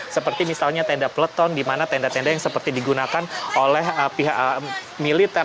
seperti misalnya tenda peleton di mana tenda tenda yang seperti digunakan oleh pihak militer